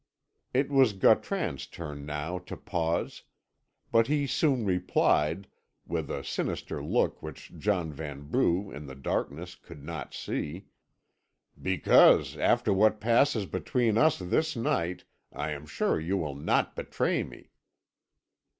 It was Gautran's turn now to pause, but he soon replied, with a sinister look which John Vanbrugh, in the darkness, could not see: "Because, after what passes between us this night, I am sure you will not betray me."